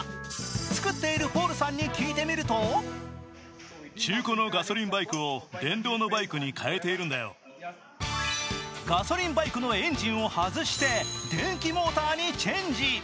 作っているポールさんに聞いてみるとガソリンバイクのエンジンを外して電気モーターにチェンジ。